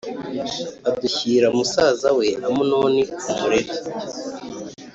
adushyira musaza we Amunoni ku murere.